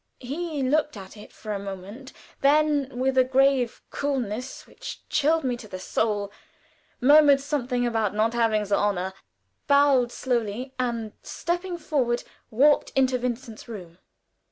He looked at it for a moment, then with a grave coolness which chilled me to the soul, murmured something about "not having the honor," bowed slightly, and stepping forward, walked into Vincent's room.